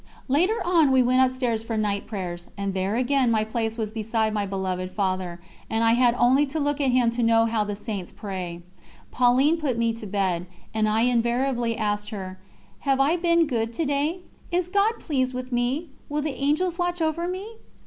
Later on we went upstairs for night prayers, and there again my place was beside my beloved Father, and I had only to look at him to know how the Saints pray. Pauline put me to bed, and I invariably asked her: "Have I been good to day? Is God pleased with me? Will the Angels watch over me?"